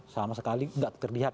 sama sekali tidak terlihat